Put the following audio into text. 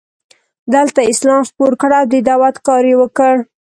دلته یې اسلام خپور کړ او د دعوت کار یې وکړ.